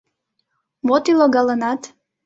Вот и логалынат.